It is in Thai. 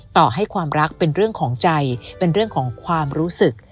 ต่อให้ความรักเป็นเรื่องของใจเป็นเรื่องของความรู้สึก